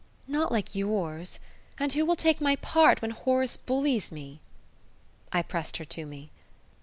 "Not like yours. And who will take my part when Horace bullies me?" I pressed her to me.